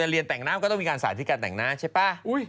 เรียนแต่งหน้ามันก็ต้องมีการใส่ที่การแต่งหน้าใช่ป่ะ